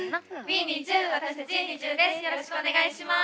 よろしくお願いします。